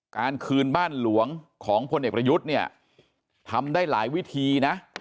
การคืนบ้านหลวงของพลเอกประยุทธ์เนี่ยทำได้หลายวิธีนะ